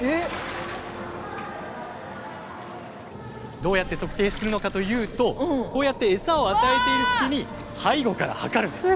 どうやって測定するのかというとこうやって餌を与えている隙に背後から測るんです。